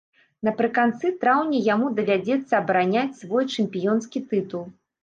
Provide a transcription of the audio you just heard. Напрыканцы траўня яму давядзецца абараняць свой чэмпіёнскі тытул.